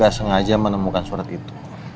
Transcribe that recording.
mama gak sengaja menemukan surat itu